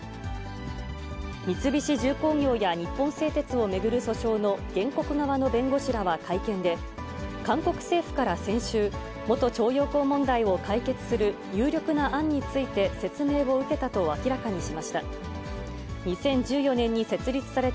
三菱重工業や日本製鉄を巡る訴訟の原告側の弁護士らは会見で、韓国政府から先週、元徴用工問題を解決する有力な案について説明を受けたと明らかにしました。